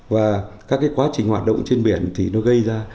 và các quá trình hoạt động trên biển thì nó gây ra